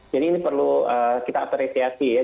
jadi ini perlu kita apresiasi ya